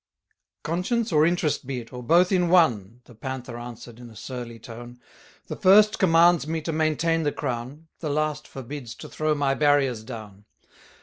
Conscience or Interest be 't, or both in one, The Panther answer'd in a surly tone, The first commands me to maintain the crown, The last forbids to throw my barriers down.